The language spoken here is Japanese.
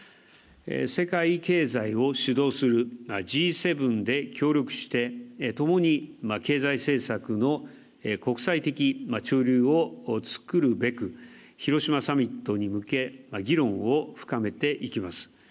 世界経済を主導するＧ７で協力して共に経済政策の国際的潮流を作るべく広島サミットに向け議論を深めていきます。